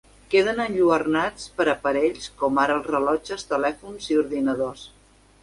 Queden enlluernats per aparells com ara els rellotges, telèfons i ordinadors.